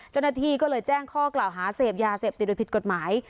เจ้าหน้าที่ก็เลยแจ้งข้อกล่าวหาเสพยาเสพติดโดยผิดกฎหมาย